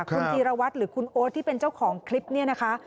คุณธีรวัตรหรือคุณโอ๊ตที่เป็นเจ้าของคลิปเนี่ยนะคะ